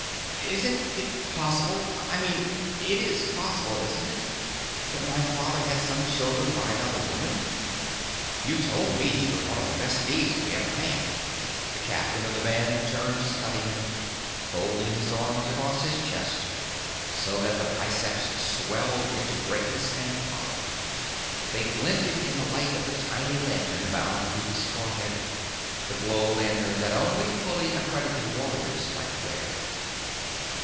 "Isn't it possible I mean, it is possible, isn't it that my father had some children by another woman? You told me he was one of the best thieves we ever had." The captain of the band turned to study him, folding his arms across his chest so that biceps swelled into greatness and power. They glinted in the light of the tiny lantern bound to his forehead, the glow lantern that only fully accredited warriors might wear.